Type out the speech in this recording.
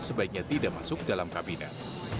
sebaiknya tidak masuk dalam kabinet